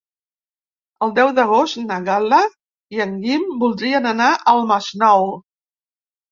El deu d'agost na Gal·la i en Guim voldrien anar al Masnou.